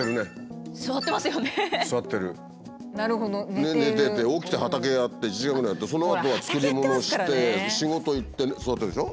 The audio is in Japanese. で寝てて起きて畑やって１時間ぐらいやってそのあとは作りものして仕事行って座ってるでしょ？